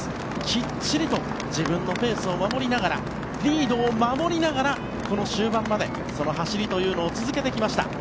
きっちりと自分のペースを守りながらリードを守りながらこの終盤までその走りというのを続けてきました。